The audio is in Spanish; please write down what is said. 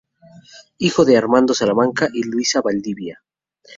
Hijo de Armando Salamanca y Luisa Valdivia.